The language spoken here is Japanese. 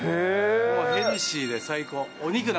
ヘルシーで最高。